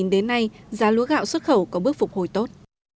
đến nay giá lúa gạo xuất khẩu có bước phục hồi tốt